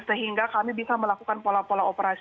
sehingga kami bisa melakukan pola pola operasi